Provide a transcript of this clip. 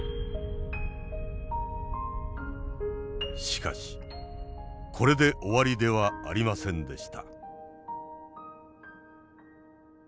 しかしこれで終わりではありませんでした。